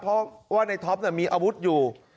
เพราะว่าในท็อปมีอาวุธอยู่